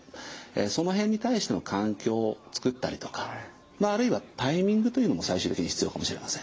その辺に対しての環境を作ったりとかまああるいはタイミングというのも最終的に必要かもしれません。